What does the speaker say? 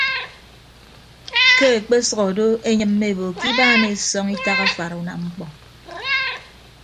Ke ekpesʌk odo eenyịmme ebo ke ibaan esọñ itak afara unamñkpọ.